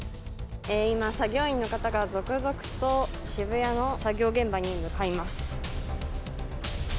今、作業員の方が続々と渋谷の作業現場に向かいます。